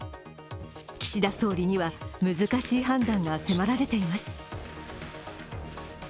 岸田総理には難しい判断が迫られています。